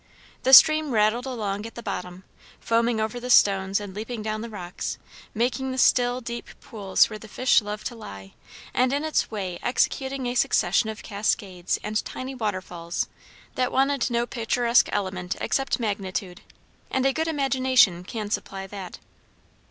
The stream rattled along at the bottom; foaming over the stones and leaping down the rocks; making the still, deep pools where the fish love to lie; and in its way executing a succession of cascades and tiny waterfalls that wanted no picturesque element except magnitude. And a good imagination can supply that.